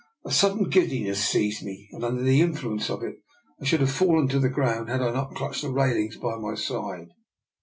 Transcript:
A sudden giddiness seized me, and under the influence of it I should have fallen to the ground had I not clutched at the railings by my side.